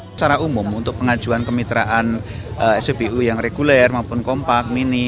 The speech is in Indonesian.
secara umum untuk pengajuan kemitraan spbu yang reguler maupun kompak mini